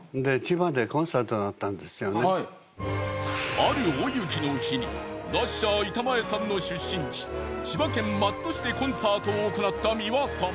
ある大雪の日にラッシャー板前さんの出身地千葉県松戸市でコンサートを行った美輪さん。